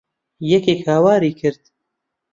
یەکێک هاواری کرد.